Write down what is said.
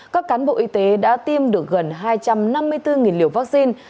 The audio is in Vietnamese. các cán bộ y tế đã tiêm được gần hai trăm năm mươi bốn liều vaccine